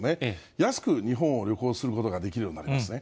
安く日本を旅行することができるようになりますね。